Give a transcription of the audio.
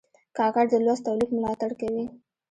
کاکړ د لوست او لیک ملاتړ کوي.